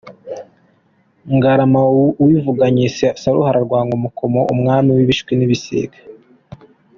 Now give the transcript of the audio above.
Ngarama wivuganye Saruhara rwa Nkomokomo, Umwami w’Ibishwi n’ibisiga.